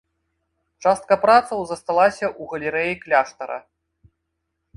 Частка працаў засталася ў галерэі кляштара.